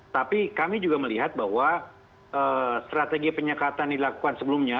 tapi kami juga melihat bahwa strategi penyekatan dilakukan sebelumnya